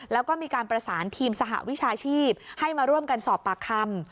แล้วก็มีการประสานทีมสหวิชาชีพให้มาร่วมกันสอบปากคำ